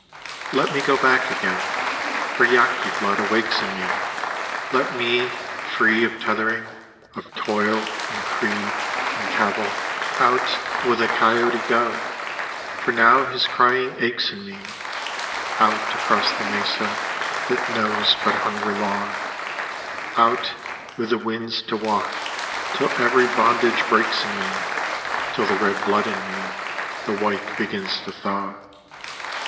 Let me go back again. For Yaqui blood awakes in me, Let me, free of tethering, Of toil and creed and cavil, 119 120 THE HALF BREED Out with the coyote go, For now his crying aches in me — Out across the mesa That knows but hunger law — Out, with the winds to walk, Till every bondage breaks in me, Till the Red blood in me The White begins to thaw.